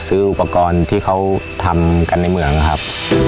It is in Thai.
อุปกรณ์ที่เขาทำกันในเหมืองครับ